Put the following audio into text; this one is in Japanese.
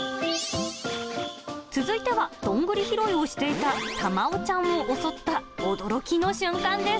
続いては、どんぐり拾いをしていたたまおちゃんを襲った驚きの瞬間です。